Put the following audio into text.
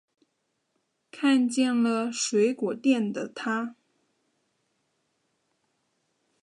看见了水果店的她